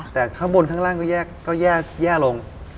แต่ข้างบนข้างล่างก็แย่ลง